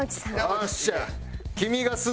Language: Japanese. よっしゃ！